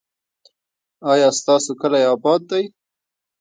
ایا ستاسو کلی اباد دی؟